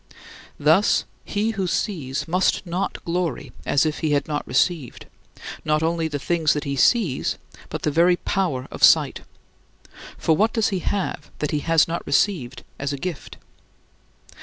Thus, he who sees must not glory as if he had not received, not only the things that he sees, but the very power of sight for what does he have that he has not received as a gift?